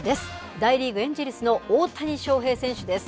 大リーグ・エンジェルスの大谷翔平選手です。